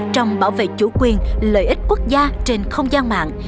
trong bảo vệ chủ quyền lợi ích quốc gia trên không gian mạng